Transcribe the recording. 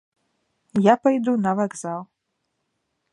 Я пайду на вакзал!